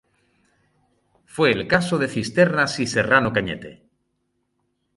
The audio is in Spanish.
Fue el caso de Cisternas y Serrano Cañete.